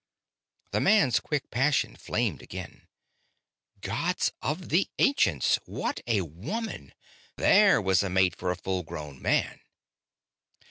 The man's quick passion flamed again. Gods of the ancients, what a woman! There was a mate for a full grown man!